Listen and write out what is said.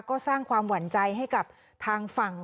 ก็สร้างความหวั่นใจให้กับทางฝั่ง